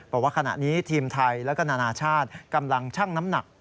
บอกว่าขณะนี้ทีมไทยและก็นานาชาติกำลังชั่งน้ำหนัก